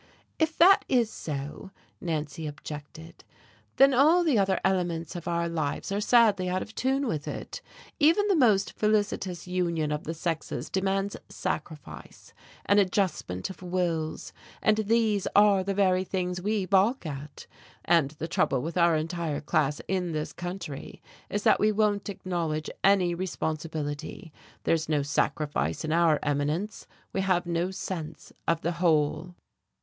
"If that is so," Nancy objected, "then all the other elements of our lives are sadly out of tune with it. Even the most felicitous union of the sexes demands sacrifice, an adjustment of wills, and these are the very things we balk at; and the trouble with our entire class in this country is that we won't acknowledge any responsibility, there's no sacrifice in our eminence, we have no sense of the whole."